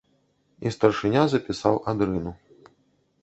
І старшыня запісаў адрыну.